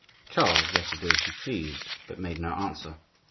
Charles let her do as she pleased, but made no answer.